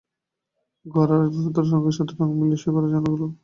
ঘর আর আসবাবপত্রের রঙের সাথে রঙ মিলিয়ে সেই ঘরের জানালাগুলোর রঙ করা হয়েছে।